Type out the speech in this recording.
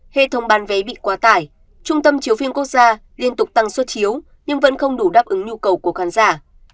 hệ thống bán vé bị quá tải trung tâm chiếu phim quốc gia liên tục tăng xuất chiếu nhưng vẫn không đủ đáp ứng nhu cầu của khán giả